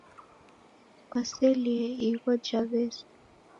Kwaselie igho ja wesu?